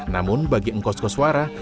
namun bagi engkos engkos warah